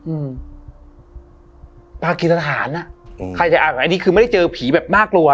อืมปากีสถานอ่ะอืมใครจะอ่านอันนี้คือไม่ได้เจอผีแบบน่ากลัว